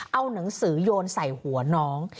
เอาหนังสือโยนใส่หัวน้อง